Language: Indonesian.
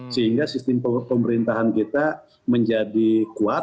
sehingga sistem pemerintahan kita menjadi kuat